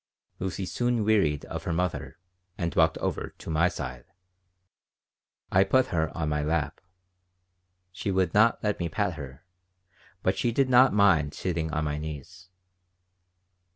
Lucy soon wearied of her mother and walked over to my side. I put her on my lap. She would not let me pat her, but she did not mind sitting on my knees.